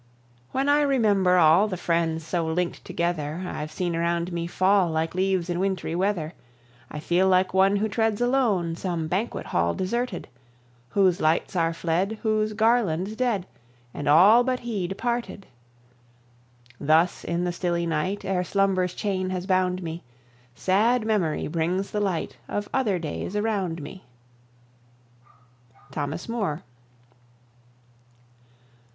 When I remember all The friends so link'd together I've seen around me fall Like leaves in wintry weather, I feel like one Who treads alone Some banquet hall deserted, Whose lights are fled, Whose garlands dead, And all but he departed! Thus in the stilly night Ere slumber's chain has bound me, Sad Memory brings the light Of other days around me. THOMAS MOORE.